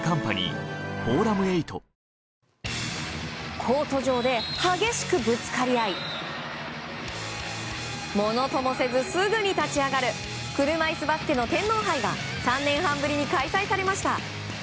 コート上で激しくぶつかり合いものともせずすぐに立ち上がる車いすバスケの天皇杯が３年半ぶりに開催されました。